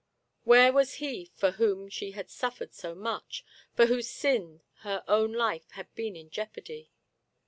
Where was he for whom she had suffered so much, for whose sin her own life had been in jeopardy